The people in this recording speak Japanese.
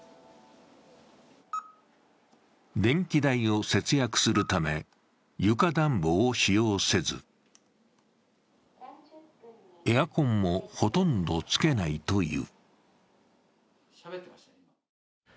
電気代を節約するため床暖房を使用せず、エアコンもほとんどつけないという。